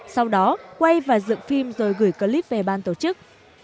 sau đó quay và dựng phim rồi gửi clip về ban tổ chức